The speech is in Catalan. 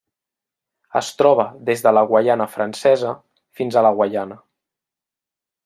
Es troba des de la Guaiana Francesa fins a la Guaiana.